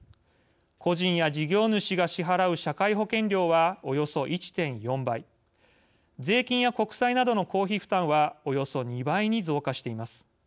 個人や事業主が支払う社会保険料は、およそ１．４倍税金や国債などの公費負担はおよそ２倍に増加しています。